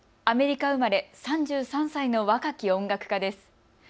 アメリカ生まれ３３歳の若き音楽家です。